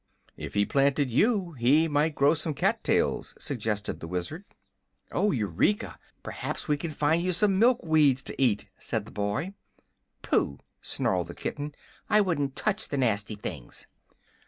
"If he planted you, he might grow some cat tails," suggested the Wizard. "Oh, Eureka! perhaps we can find you some milk weeds to eat," said the boy. "Phoo!" snarled the kitten; "I wouldn't touch the nasty things!"